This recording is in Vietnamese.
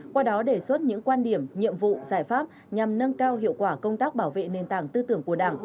qua đó đề xuất những quan điểm nhiệm vụ giải pháp nhằm nâng cao hiệu quả công tác bảo vệ nền tảng tư tưởng của đảng